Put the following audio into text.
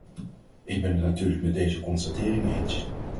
Ik ben het natuurlijk met deze constatering eens.